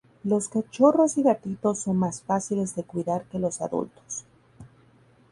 Los cachorros y gatitos son más fáciles de cuidar que los adultos.